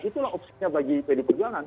itulah opsinya bagi pd perjuangan